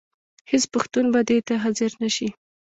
هېڅ پښتون به دې ته حاضر نه شي.